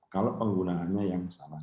kalau penggunaannya yang salah